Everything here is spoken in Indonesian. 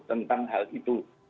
tentang hal itu